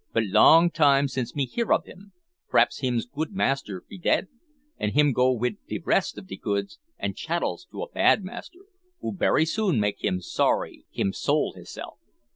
But long time since me hear ob him. P'raps hims good master be dead, an' him go wid de rest of de goods an' chattels to a bad master, who berry soon make him sorry him sole hisself."